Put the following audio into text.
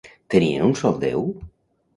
Tenien un sol déu?